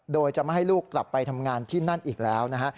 โดยจะไม่ให้ลูกกลับไปทำงานที่นั่นอีกแล้วนะฮะ